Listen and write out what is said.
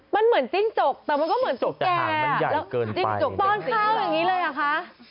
มันเหมือนจิ้งจกแต่มันก็เหมือนตุ๊กแก่จิ้งจกป้อนข้าวอย่างนี้เลยเหรอคะ